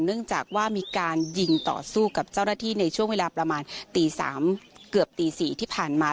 เนื่องจากว่ามีการยิงต่อสู้กับเจ้าหน้าที่ในช่วงเวลาประมาณตี๓เกือบตี๔ที่ผ่านมา